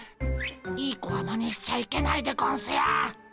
いい子はマネしちゃいけないでゴンスよ。